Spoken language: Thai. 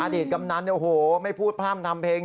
ตกำนันโอ้โหไม่พูดพร่ำทำเพลง